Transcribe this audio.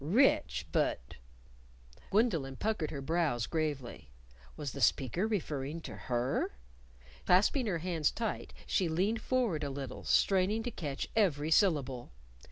"Rich, but " Gwendolyn puckered her brows gravely. Was the speaker referring to her? Clasping her hands tight, she leaned forward a little, straining to catch every syllable.